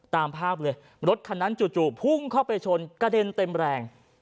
ตามภาพเลยรถคันนั้นจู่พุ่งเข้าไปชนกระเด็นเต็มแรง